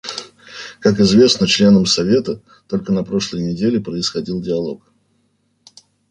Как известно членам Совета, только на прошлой неделе происходил диалог.